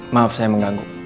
maaf saya mengganggu